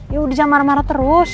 yaudah marah marah terus